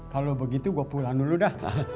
kalau begitu gue pulang dulu dah